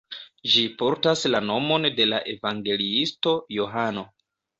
Ĝi portas la nomon de la evangeliisto Johano.